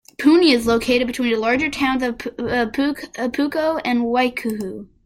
Puni is located between the larger towns of Pukekohe and Waiuku.